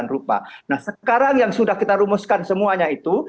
nah sekarang yang sudah kita rumuskan semuanya itu